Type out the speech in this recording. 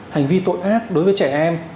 hành vi tội ác đối với trẻ em